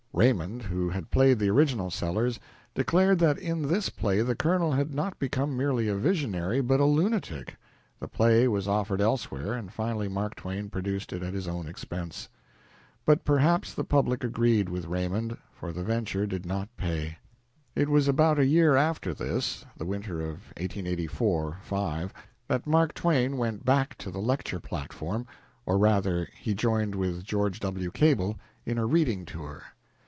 Raymond, who had played the original Sellers, declared that in this play the Colonel had not become merely a visionary, but a lunatic. The play was offered elsewhere, and finally Mark Twain produced it at his own expense. But perhaps the public agreed with Raymond, for the venture did not pay. It was about a year after this (the winter of 1884 5) that Mark Twain went back to the lecture platform or rather, he joined with George W. Cable in a reading tour.